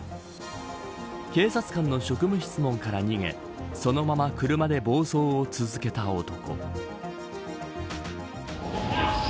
警察官の職務質問から逃げそのまま車で暴走を続けた男。